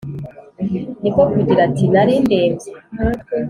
Ni ko kugira ati: “Nari ndembye